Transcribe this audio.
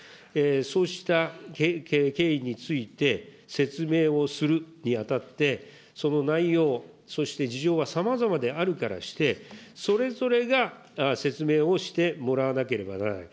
そうした経緯について説明をするにあたって、その内容、そして事情はさまざまであるからして、それぞれが説明をしてもらわなければならない。